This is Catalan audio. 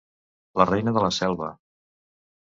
La reina de la selva.